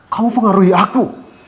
kamu pengaruhi aku